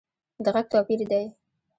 د غږ توپیر دی